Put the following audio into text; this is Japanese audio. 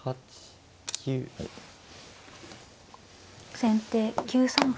先手９三歩。